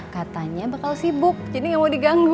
katanya bakal sibuk jadi gak mau diganggu